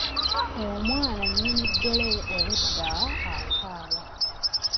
Omwana nnyini ddole obwedda akaaba.